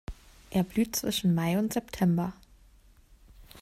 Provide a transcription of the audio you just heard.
Er blüht zwischen Mai und September.